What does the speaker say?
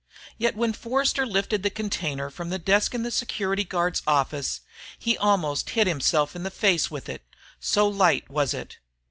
Yet when Forster lifted the container from the desk in the security guards' office, he almost hit himself in the face with it, so light was it.